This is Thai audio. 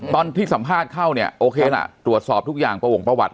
ตอนที่สัมภาษณ์เข้าเนี่ยโอเคล่ะตรวจสอบทุกอย่างประวงประวัติ